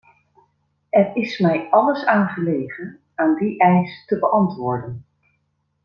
Er is mij alles aan gelegen aan die eis te beantwoorden.